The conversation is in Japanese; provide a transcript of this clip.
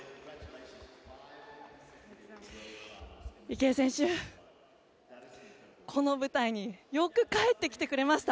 池江選手、この舞台によく帰ってきてくれました。